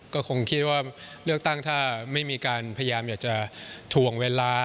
ก็คงคิดว่าเลือกตั้งถ้าไม่มีการพยายามอยากจะถ่วงเวลา